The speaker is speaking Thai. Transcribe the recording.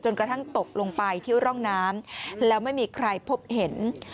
กระทั่งตกลงไปที่ร่องน้ำแล้วไม่มีใครพบเห็น